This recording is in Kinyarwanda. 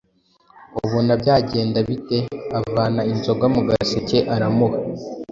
ubona byagenda bite ?» Avana inzoga mu gaseke aramuha,